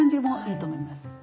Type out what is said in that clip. もういいと思います。